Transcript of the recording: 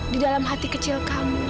di dalam hati kecil kamu